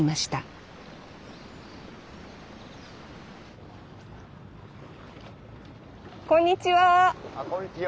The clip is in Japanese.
あこんにちは。